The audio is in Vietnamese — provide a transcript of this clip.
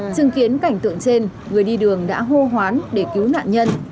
chứng kiến cảnh tượng trên người đi đường đã hô hoán để cứu nạn nhân